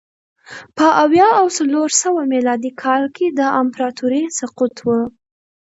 په اویا او څلور سوه میلادي کال کې د امپراتورۍ سقوط و